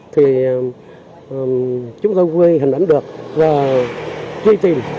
thì chúng tôi ghi hình ảnh được và truy tìm